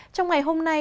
trong ngày hôm nay